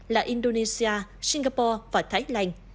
là indonesia singapore và thái lan